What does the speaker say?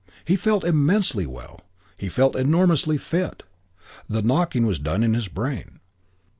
He felt immensely well. He felt enormously fit. The knocking was done in his brain.